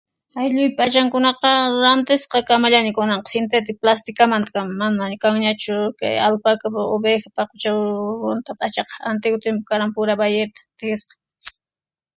Ayllun p'achankunaqa rantisqa kamallaña kunanqa sintétiko plástikamanta kama, mana kanñachu kay alpaca, oveja paqucha antiguo timpu karqan pura bayeta tihisqa.